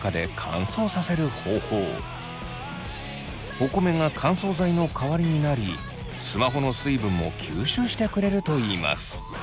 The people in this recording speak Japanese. お米が乾燥剤の代わりになりスマホの水分も吸収してくれるといいます。